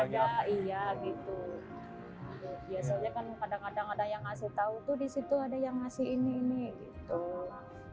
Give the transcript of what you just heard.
biasanya kan kadang kadang ada yang ngasih tau tuh di situ ada yang ngasih ini ini gitu